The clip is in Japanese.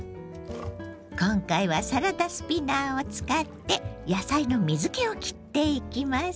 今回はサラダスピナーを使って野菜の水けをきっていきます。